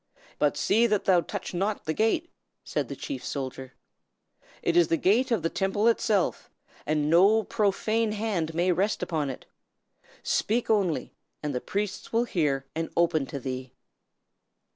"But see that thou touch not the gate!" said the chief soldier. "It is the gate of the Temple itself, and no profane hand may rest upon it. Speak only, and the priests will hear and open to thee."